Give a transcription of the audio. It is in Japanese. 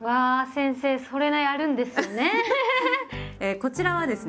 こちらはですね